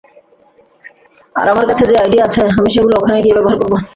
আর আমার কাছে যে আইডিয়া আছে, আমি সেগুলো ওখানে গিয়ে ব্যবহার করবো।